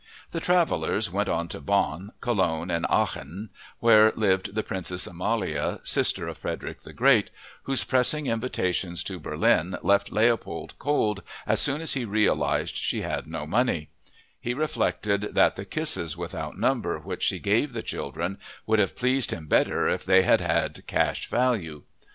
The travelers went on to Bonn, Cologne, and Aachen, where lived the Princess Amalia, sister of Frederick the Great, whose pressing invitations to Berlin left Leopold cold as soon as he realized she had no money; he reflected that the kisses without number which she gave the children would have pleased him better if they had had cash value!